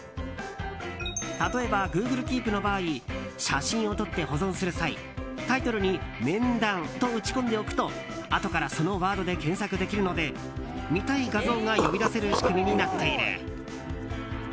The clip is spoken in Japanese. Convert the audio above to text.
例えばＧｏｏｇｌｅＫｅｅｐの場合写真を撮って保存する際タイトルに「面談」と打ち込んでおくとあとからそのワードで検索できるので見たい画像が呼び出せる仕組みになっている。